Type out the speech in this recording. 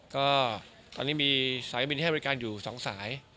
ก็ตอนนี้มีสายบินให้บริการอยู่๒สาย